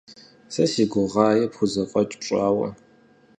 Сэ си гугъаи пхузэфӀэкӀ пщӀауэ.